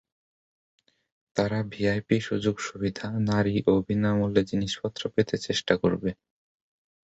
তারা ভিআইপি সুযোগসুবিধা, নারী ও বিনামূল্যে জিনিসপত্র পেতে চেষ্টা করবে।